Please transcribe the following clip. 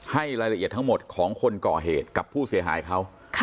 ให้รายละเอียดทั้งหมดของคนก่อเหตุกับผู้เสียหายเขา